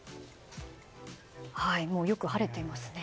よく晴れていますね。